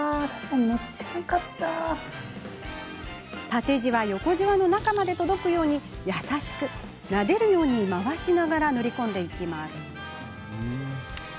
縦じわ横じわの中まで届くように優しくなでるように回しながら塗り込んでいきます。